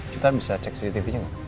kita bisa cek cctv nya nggak